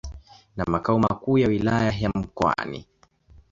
na makao makuu ya Wilaya ya Mkoani.